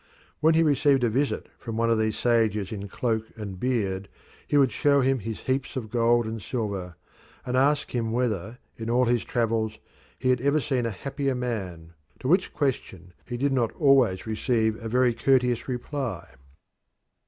When he received a visit from one of these sages in cloak and beard he would show him his heaps of gold and silver, and ask him whether, in all his travels, he had ever seen a happier man to which question he did not always receive a very courteous reply.